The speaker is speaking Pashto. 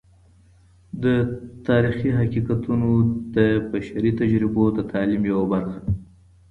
د تاریخی حقیقتونه د بشري تجربو د تعلیم یوه برخه ده.